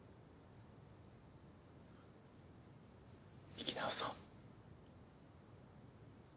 生き直そう。